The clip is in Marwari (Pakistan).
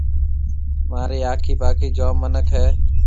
مهاريَ آکي پاکي جوم مِنک هيَ۔